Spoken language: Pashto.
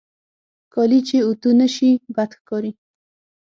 کالي چې اوتو نهشي، بد ښکاري.